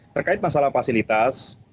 terkait masalah fasilitas